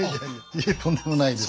いえとんでもないです。